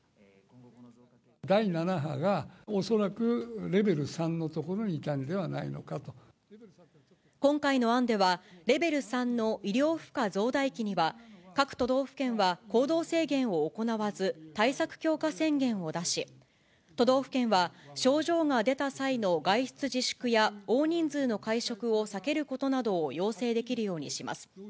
第７波が恐らくレベル３のと今回の案では、レベル３の医療負荷増大期には、各都道府県は行動制限を行わず、対策強化宣言を出し、都道府県は症状が出た際の外出自粛や大人数の会食を避けることなどを要請できるようにします。